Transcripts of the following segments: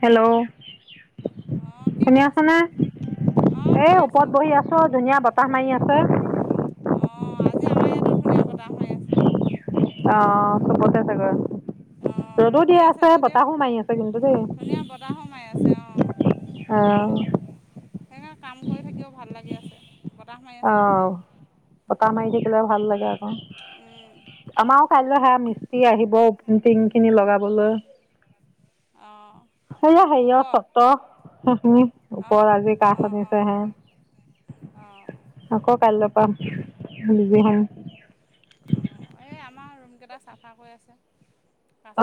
Hello. আহ কি কৈ আছ? অঁ এ, শুনি আছোঁ। ওপৰত বহি আছো ধুনীয়া বতাহ মাৰি আছে। অঁ, আজি আমাৰ ইয়াতো ধুনীয়া বতাহ মাৰি আছে। অ, চবতে চাগে। অ' ৰ'দ দি আছে যদিও, মাৰি আছে কিন্তু দেই ধুনীয়া বতাহ সোমাই আছে অ। এঅ সেইকাৰণে কাম কৰি থাকিও ভাল লাগি আছে। বতাহ মাৰি আছে যে। আহ পতা মাৰি থাকিলে ভাল লাগে আকৌ। উম আমাৰো কাইলৈ সেয়া মিস্ত্ৰী আহিব, টিং খিনি লগাবলৈ। অ। সেয়া সেয় চতখ ওপৰত আজি কা শনিছেহে। অ। আকৌ কাইলৈ পা বিজি হম। অ, এই আমাৰ ৰুম কেইটা চাফা কৰি আছে।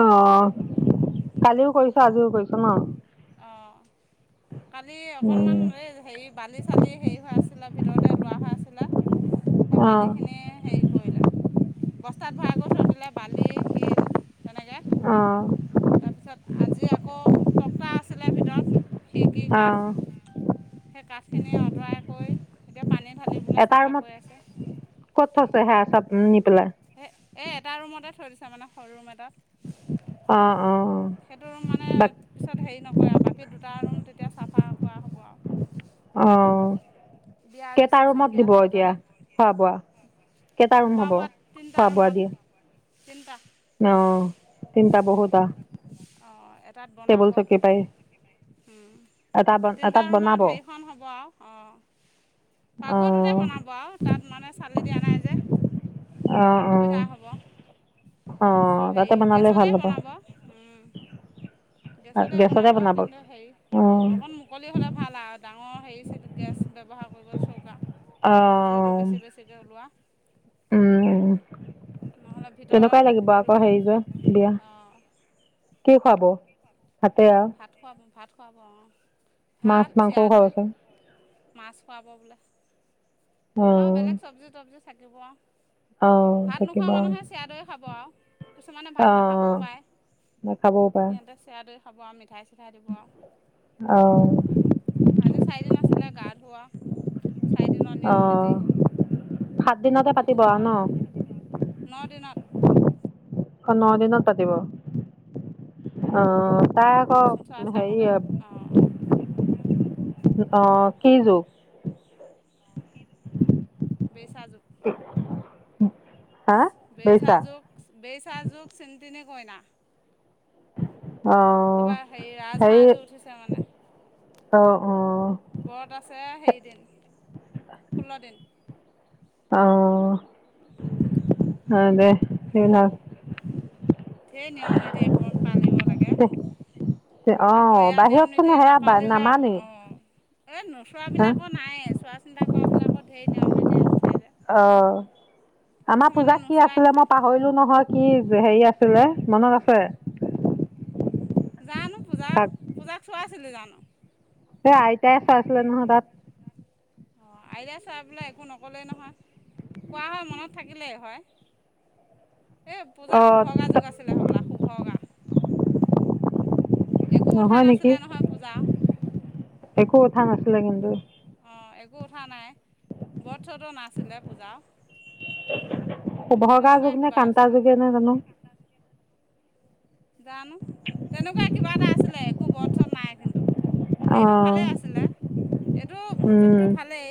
অ, চাফাই কালিও কৰিছো আজিও কৰিছো ন? আহঁ। কালি অকনমান এ হেৰি বালি-চালি হেৰি হৈ আছিলে ভিতৰত। লোৱা হৈ আছিলে সেই অঁ বালিখিনিয় হেৰি বস্তাত ভৰাই কৰি থৈ দিলে বালি শিল তেনেকৈ অঁ তাৰপিছত আজি আকৌ টকটা আছিলে ভিতৰত। খিৰিকি, অঁ কাঠ সেই কাঠখিনি আঁতৰাই কৰি এতিয়া পানী ঢালিবলৈ এটা চাফা কৰি আছে। চপ নি পেলাই তাৰ মানে সৰু ৰুম এটাত অঁ অঁ সেইটো মানে বাক পিছত হেৰি নকৰে আৰু বাকী টো দুটা ৰুম তেতিয়া চাফা কৰা হ'ব আৰু অ বিয়াৰ কেইটা ৰিচিপশ্যন ৰুমত দিয়া দিব হ'ব এতিয়া তাতে খোৱা বোৱা। কেইটা ৰুম হ'ব খোৱা বোৱা দিয়ে। তিনটা অ তিনটা বহুতা অ এটাত বনাব পাৰি এটা বন তিনিটা এটাত বনাব ৰুমত হেৰিখন হ'ব আৰু অ পাকঘৰটোতে অঁ বনাব আৰু তাত মানে চালি দিয়া নাই যে অঁ অঁ সুবিধা হ'ব অঁ তাতে হেৰি বনালে ভাল গেছতে হ'ব বনাব উম। [inaudible] গেছতে বনাব কিন্তু হেৰি অ অঁ অকণ মুকলি হ'লে ভাল আৰু ডাঙৰ হেৰি গেছ ব্যৱহাৰ কৰিব চৌকা জুইটো বেছি বেছিকৈ ওলোৱা উম নহ'লে ভিতৰত তেনেকুৱাই লাগিব আকৌ হেৰি যে বিয়া। অঁ কি খুৱাব ভাতে আৰু খোৱা ব মাছ মাংসও খৰচ হয়। মাছ খুৱাব বোলে আৰু অঁ বেলেগ চবজি তবজি থাকিব আৰু আহ ভাত নোখোৱা থাকিবা মানুহে চিৰা দৈ খাব আৰু কিছুমানে ভাত আহ নাখাবও পায় নাখাবও পাৰে। খাব আৰু মিঠাই চিঠাই দিব আৰু আহ আজি চাৰি দিন গা ধোৱা চাৰি দিনৰ নিয়ম আহ নিতি সাত দিনতে পাতিব সেইখিনি আৰু ন কৰা হ'ল ন দিনত ন দিনত পাতিব অ তাই আকৌ চোৱা চিতা হেৰি কৰোঁতে অঁ অ কি যোগ বেইছা যোগ [unintelligible] বেইছা যোগ বেইছা যোগ চিনতিনি কইনা আহ কিবা হেৰি ৰাজহাঁহজোৰ উঠিছে মানে অ অ ব্ৰত আছে হেৰি ষোল্ল দিন। অ হয় দে ধেই নিয়ম নীতি এইভোন পালিব লাগে অ আকৌ এয়া নিয়ম বাহিৰত চোন সেয়া নামানে এ নোচোৱা বিলাকো নাইয়েই চোৱা চিন্তা কৰা বিলাকৰ ধেই নিয়ম নীতি উঠে যে অ আমাৰ কিছুমানে পূজাক কি নোচোৱাই আছিলে মই নহয় পাহৰিলো নহয় কি হেৰি আছিলে মনত আছে জানো পূজা পূজাক চোৱাইছিলি জানো হে আইতাই চোৱাইছিলে নহয় তাত অ আইটাই চোৱাই পেলাই একো নক'লেই নহয় কোৱা হয় মনত থাকিলেই হয় এ অ পূজাৰ শুভ গা যুগ আছিলে হবলা শুভগা একো উঠা নহয় নেকি নাছিলে নহয় পূজা একো উঠা নাছিলে কিন্তু অঁ একো উঠা নাই ব্ৰত চত নাছিলে পূজা অ শুভগা যুগ নে কান্তা আছিলে যুগেই নে জানো জানো তেনেকুৱা কিবা এটা আছিলে একো ব্ৰত শ্রত নাই কিন্তু অ সেইটো ভালেই আছিলে এইটো উম যুগটো ভালেই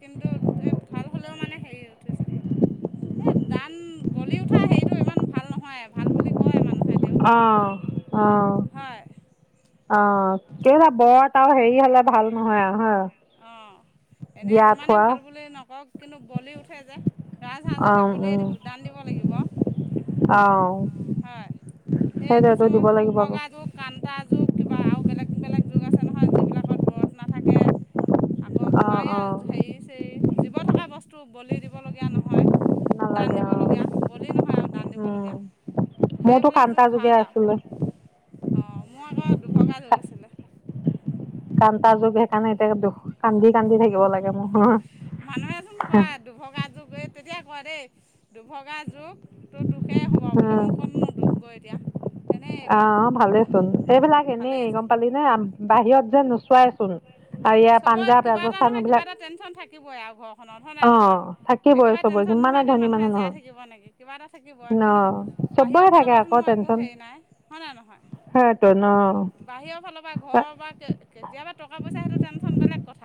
কিন্তু এই ভাল হ'লেও মানে হেৰি হৈ উঠিছে। এ দান বলি উঠা সেইটো ইমান ভাল নহয়, ভাল বুলি কয় মানুহে। তেওঁ অঁ অঁ। হয় অ কেইটা বৰ তাৰ আৰু হেৰি হলে ভাল নহয় আৰু হয়। অ। এনে যিমানে ভাল বুলি নকক কিন্তু বলি উঠে যে ৰাজ সাজো অ সে বলিয়ে উম দিব দান দিব লাগিব। অ। হয় এই সেইটোতো কিছুমান দিব শুভ লাগিব আকৌ গাটো কান এটা যুগ কিবা আৰু বেলেগ বেলেগ যুগ আছে নহয় যিবিলাকত ব্ৰত নাথাকে আকৌ অ কিবা অ এই হেৰি চ জীৱ থকা বস্তু বলি দিব লগীয়া নহয়। দান নালাগে অ দিবলগীয়া বলি নহয় আৰু দান উম দিবলগীয়া মোৰতো সেইবিলাক কান্তা যুগ যোগে ভাল আছিলে আৰু অ মোৰ আকৌ দুভগা যুগ আছিলে। কান্তা যুগ সেইকাৰণে এতিয়া কান্দি কান্দি থাকিব লাগে। মানুহেচোন কয় মোৰ দুভগাযোৰ তেতিয়া কোৱা দেই দুভগা যুগ তোৰ দুখেই হ'ব বুলি মোৰ কতনো দুখ গৈ এতিয়া। এনেই এইবিলাক আহ ভালে চোন সেইবিলাক এনেই ভালেইচোন গম পালি নে বাহিৰত যে নোচোৱাইচোন। আৰু ইয়াৰ চবৰে পাঞ্জাৱ কিবা এটা ৰাজস্থান নহয় কিবা এইবিলাক এটা টেনচন থাকিবই আৰু ঘৰখনত হয় অ নাই নহয়? থাকিবই একেবাৰে চবৰে টেনচন যিমানে নোহোৱাকৈ ধনী মানুহ মানুহে জীয়াই নহয় থাকিব নেকি কিবা এটা থাকিব, ন কিন্তু চবৰে বাহিৰৰ থাকে ফালৰ পৰাটো আকৌ মই একো টেনচন হেৰি নাই হই না নহয়? সেইটো ন বাহিৰৰ ফালৰ পৰা ঘৰৰ বা কেতিয়াবা টকা পইচা হেতেন তেনে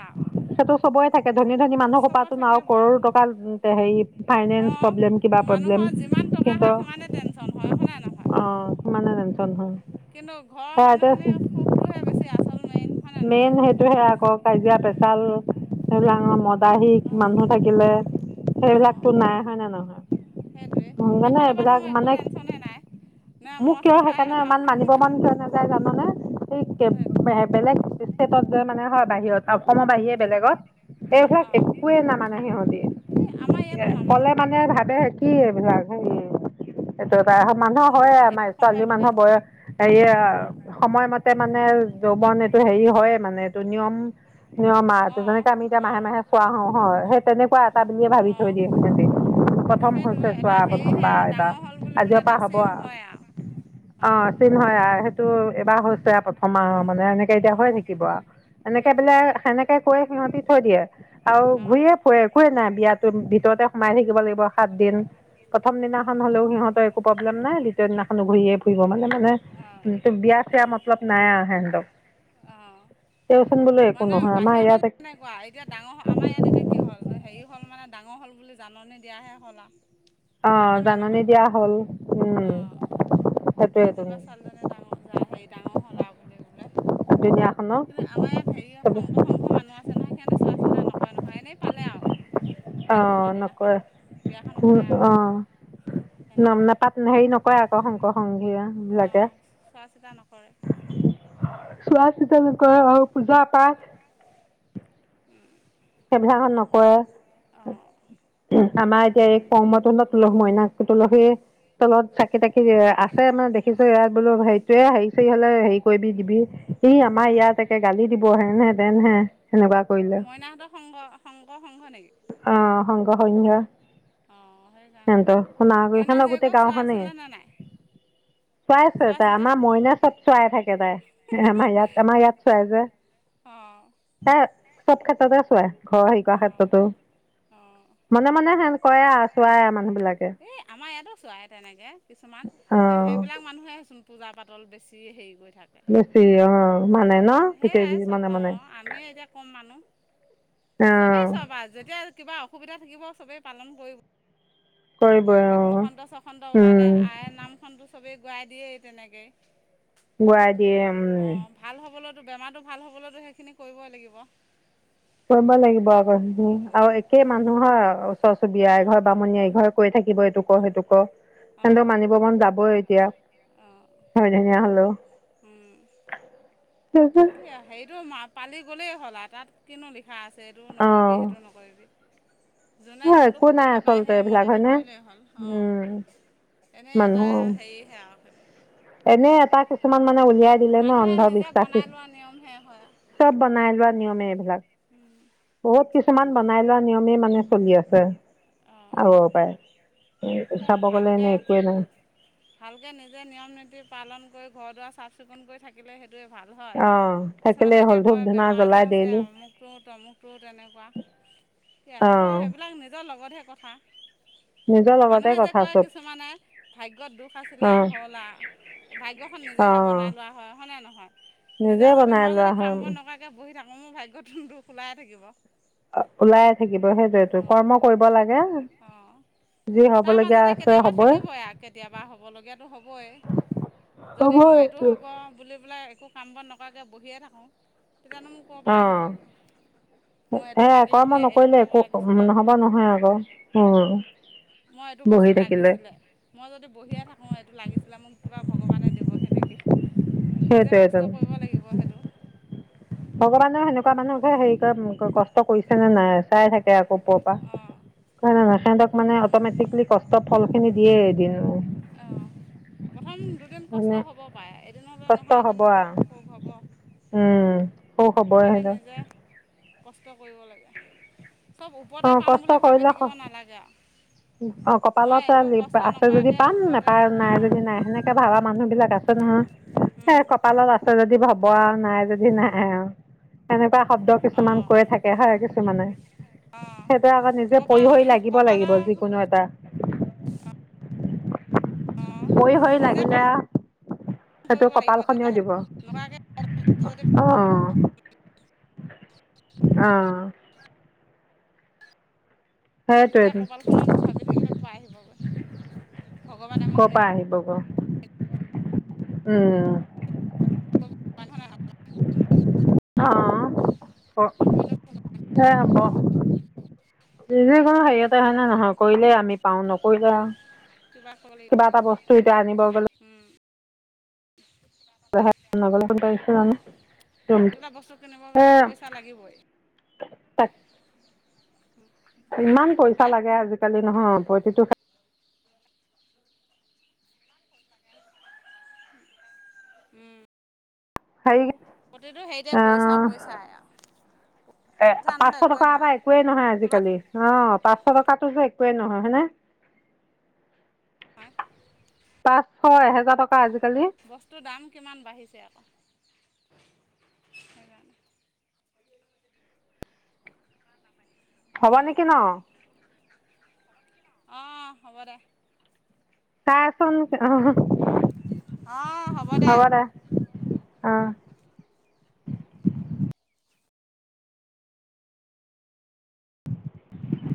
অ। টো সবৰে থাকে ধনী ধনী মানুহ সোপাতো ন আৰু থাকিবই কৰো টকা হেৰি ফাইনেন্স অঁ প্ৰব্লেম কিবা প মানুহৰ যিমান টকা হয় সিমানেই টেনশ্যন হয় হয় নাই নহয় [unintelligible] কিন্তু ঘৰৰ মানুহখিনি সুখটোহে বেছি আৰু। মেইন সেইটোহে আকৌ কাজিয়া পেচাল এইবিলাকৰ মদ বাহী অঁ মানুহ থাকিলে সেইবিলাকতো নাই হয় নে নহয়? সেইটোয়ে সেইকাৰণে সেইফালৰ পৰাটো এইবিলাক মোৰ মানে একোৱে টেনশচনে নাই। না মোক মদ কিয় খাই সেইকাৰণে না ইমান ভাং মানিব মন খাই কিয় নাযায় জানানে সেই হয় বে বেলেগ ষ্টেটত যে মানে হয় বাহিৰত অসমৰ বাহিৰে বেলেগত। এইবিলাক অঁ একোৱেই ন মানে সিহঁতি এই আমাৰ ইয়াতো কলে মানে ভ তে কি এইবিলাক হেৰি এইটো তাই মানুহৰ হয় নামানুহ হেৰি আমাৰ সংখ্যা ছোৱালী বুলি কয় মানুহৰ যে বয়স হেৰি অঁ সময়মতে মানে যৌৱন এইটো হেৰি হয় মানে এইটো নিয়ম নিয়মাহটো অঁ যেনেকে আমি এতিয়া মাহে অঁ মাহে চোৱা হওঁ হয়েই তেনেকুৱা এটা বুলিয়ে ভাবি থৈ অঁ দিও তেনেকুৱা। প্ৰথম সেইটো হৈছে এটা চোৱা হেৰিহে প্ৰথমবাৰ আৰু ডাঙৰ হ'ল বুলি এইবাৰ পেলাই আজিৰ এটা পৰা হ'ব চিন আৰু। হয় অ অঁ চিম হয় সেইটো এবাৰ হৈছে প্ৰথম আৰু মানে এনেকে এতিয়া হয় অঁ নেকিব এনেকে বোলে সেইটোৱে সেনেকে কৈ সিহঁতি থৈ দিয়ে, আৰু অঁ ঘূৰিয়ে ফুৰে একোৱে নাই বিয়াতো ভিতৰত সোমাই থাকিব লাগিব সাত দিন, প্ৰথম দিনাখন হলেও সিহঁতৰ একো প্ৰব্লেম নাই। দিনাখনো ঘূৰিয়ে ফুৰিব মানে মানে অঁ টো বিয়া চিয়া মতলব নাই আৰু সেহঁতক, অঁ তেঁও মানে বাহিৰৰ ফালে এনেকুৱা এতিয়া ডাঙৰ আমাৰ ইয়াত এতিয়া কি হ'ল হেৰি হ'ল মানে ডাঙৰ হ'ল বুলি জাননী দিয়াহে হ'ল আৰু। অ হয়নে জাননী নহয় দিয়া হ'ল উম। অঁ আজিৰ পৰা ছাৱালিজনী ডাঙৰ হেৰি ডাঙৰ হ'ল আৰু বুলি বোলে। কিন্তু আমাৰ ইয়াত হেৰি দুুনীয়াখনৰ সংঘ সংঘ মানুহ আছে নহয়, সিহঁতে চোৱা চিন্তা নকৰে নহয় এনেই পালে আৰু। সাত অহ দিনৰ দিনাখন নকয়, বিয়াখন ভুল উঠায় আৰু অ। নাম তেনেকুৱা নাপাত হেৰি নকয় আকৌ শংকৰ সংঘিয়া। অঁ চোৱা চিতা নকৰে। চোৱা চিত নকৰে, অহ পূজা পাঠ সেইবিলাকখন নকৰে। অঁ আমাৰ এতিয়া এই কৰ্মতৰ তুলত লগ মই না, ত তুলসী। তলত চাকি তাকি আছে মানে দেখিছো ইয়াত বোলো সেইটোয়ে হেৰি চৰি হলে হেৰি কৰিবি দিবি। স আমাৰ অঁ ইয়াত একে গালি দিব, হেনহেঁতেনহে সেনেকুৱা কৰিলে। সংগ সংগ সংঘ নেকি? পৰা শৈয়িংঘা। অঁ সেইকাৰণে সতো শুনা মইনা কিখনে গোটেই জীয়েকক চোৱা গাঁওখনে। আছিলেনে নাই চোৱাইছে চোৱা তাই চিতা আমাৰ মইনা চব চোৱাই থাকে তাই, আমাৰ ইয়াত আমাৰ ইয়াত চোৱাই যে। অঁ তাই ছব ক্ষেত্ৰতে চোৱাই। ঘৰ হেৰীকুৱা অঁ ক্ষেত্ৰতো, অঁ মানে মানে হেন কয় আৰু চোৱাই মানে। এ আমাৰ ইয়াতো চোৱাই তেনেকে কিছুমান, অ এ সেইবিলাক মানুহে। পূজা পাতল বেছি হেৰি কৰে। বেছি অ মানে ন তেতিয়াই সেয়াই ভী চব মানে মানে। অঁ আমিও এতিয়া কম মানুহ চবেই চব আও যেতিয়া কিবা অসুবিধা থাকিব, চবেই পালন কৰিব। কয় কৰিবই অ সেইটো বসন্ত ছসন্ত ওলালে উম আই নামখনটো চবেই গোৱাই দিয়েই তেনেকে। গুৱাই দিয়ে উম। হ'বলৈতো বেমাৰটো ভাল হ'বলৈতো সেইখিনি কৰিবই লাগিব। কৰিব লাগিব আকৌ সেইখিনি আৰু একেই মানুহৰ ওচৰ চুবুৰীয়া অঁ এঘৰ বামুণীয়ে এঘৰ কৈ থাকিব এইটোক কৰ সেইটো কৰ। সিহতক অঁ মানিব মন যাবই এতিয়া অঁ হয় ধুনীয়া হলেও। কি হেইৰিটো পালি গ'লেই হ'ল আৰু তাত কিনো লি। খা আছে এইটো অ নকৰিবি, সেইটো নকৰিবি, যোনে যোনটো একো নাই সুবিধা পায় আচলতে এইবিলাক সেইমতেদি হয়নে কৰিলেই হ'ল, উম অ। এনেই এটাই মানুহ হেৰিহে আৰু সেইটো। এনে এটা কিছুমান মানে উলিয়াই দিলে ন মানুহে নিজে অন্ধবিশ্বাখি। বনাই লোৱা নিয়মহে হয় চব বনাই লোৱা নিয়মে এইবিলাক, বহুত কিছু কিছুমান বনাই লোৱা নিয়মেই মানে চলি আছে। অঁ আৰু পায় সেই চাব গলে ভালকৈ এনেই একোৱেই নাই। ভালকৈ নিজে নিয়ম নীতি পালন কৰি ঘৰ দুৱাৰ চাফ চিকুণ কৰি থাকিলে সেইটোৱে ভাল হয়। অ থাকিলেই কিছুমানে এতিয়া হ'ল ধূপ কয় ধূনা বেমাৰ জ্বলাই আজাৰ হৈছে ডেইলি অমুকটো তমুকটো তেনেকুৱা। সেয়া অ সেইটো সেইবিলাক নিজৰ লগতহে কথা। নিজৰ। লগতে মানুহে যে কথা কয় চব কিছুমানে ভাগ্যত দুখ আছিলে অ হ'ল আৰ। ভাগ্য খন অ নিজেহে বনাই লোৱা হয় হয়নে নহয়? নিজে যদি, বনাই মই লোৱা যদি কাম হয় বোৰ নকৰাকে বহি থাকো মোৰ ভাগ্যত দোষ ওলাই থাকিব। ওলাই থাকিব সেইটোৱেতো কৰ্ম কৰিব লাগে। অঁ অঁ যি তাৰ হবলগীয়া মাজতে আছে কেতিয়াবা হবই থাকিবই আৰু কেতিয়াবা হব লগীয়াতো হবই। যদি মই এইটো হ'ব বুলি পেলাই একো কাম বন নকৰাকৈ বহিয়ে থাকোঁ তেতিয়ানো মোৰ ক'ৰ পৰা অ আহিবগৈ, মোৰ এ এইটো লাগিছিলে এইটো ল'ব লাগিছিলে বুলি। হয় আকৌ উম। মই এইটো বস্তু বহি থাকিলে লাগিছিলে, মই যদি বহিয়ে থাকো এইটো লাগিছিল। বোলে মোক কিবা ভগৱানে দিবহি নেকি, নিজে সেইটোৱেটো কষ্ট কৰিব লাগিব সেইটো। ভগৱানেও সেনেকুৱা মানুহে হেৰি কৰে কষ্ট কৰিছে নে নাই চাই থাকে। তেওঁক উপৰ্পা অঁ মানে ৰখাইন্তক মানে অতমেটিকলী কষ্ট ফল নেদিয়ে এডিয়াৰো। অঁ প্ৰথম দুদিন কষ্ট হ'ব পাৰে, এদিন হ'লে কষ্ট নহয় হ'ব এদিনতো আৰু সুখ হ'ব। উম হু খবৰ সেইকাৰণে আহিলে। নিজে কষ্ট কৰিব লাগে চব ওপৰতে অ পাম বুলি ভাবি থাকিব নালাগে আৰু। অ মই কপালত এইটো কষ্ট আছে যদি নকৰাকৈ পাম ওপৰতে নেপা নাই অঁ যদি নাই সেনেকে ভালা মানুহ বিলাক আছ সেই কপালত আছে যদি হব আৰু নাই যদি নাই আৰু সেনেকুৱা শব্দ কিছুমান অঁ কৈ থাকে হয় কিছুমানে। অঁ সেইটো আকৌ নিজে কপাল পৰি হৰি লাগিব কপালৰ লাগিব যিকোনো এটা। অঁ পৰি নিজে কাম সেইটো কৰিব লাগিব কপালখনেও দিব তেতিয়াহে, নকৰাকে অঁ অঁ তেতিয়া সেইটোৱেতো কপালখনত ভাবি থাকিলে কপা আহিব গৈ। কৰপা আহিব গৈ উম। [unintelligible] অ নকৰিলে হে হব। যিকোনো হেৰিয়তে হয় ন নহয় কৰিলে আমি পাওঁ নকৰিলে আৰু কিবা কৰিব কিবা লাগিব এটা বস্তু এতিয়া আনিব গলো। [inaudible] নগলে ফোন পাইছে জানো ৰুমটো কিবা বস্তু কিনিব এ গলে পইচা লাগিবই। তাক ইমান পইচা হে লাগে আজিকালি নহয় প্ৰতিটো উম। হেৰি প্ৰতিটো হেইতে পইচা আহ পইচা আও। এ পাঁচশ টকা এটা একোৱেই নহয় কিবা আজিকালি অ। পাঁচশ টকাটো যে একোৱেই হয় নে? পাই হয় এহেজাৰ ট বস্তুৰ দাম কিমান বাঢ়িছে আকৌ? সেইকাৰণে হব নেকি উম, ন? অ হ'ব দে। চা চোন হ হ। অ হ'ব দে। অ।